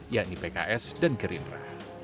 yakni pks dan gerindra